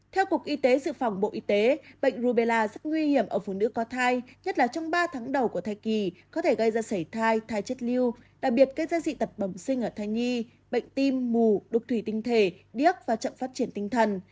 theo cục y tế dự phòng bộ y tế bệnh rubella rất nguy hiểm ở phụ nữ có thai nhất là trong ba tháng đầu của thai kỳ có thể gây ra sảy thai chất lưu đặc biệt gây ra dị tập bẩm sinh ở thai nhi bệnh tim mù đục thủy tinh thể điếc và chậm phát triển tinh thần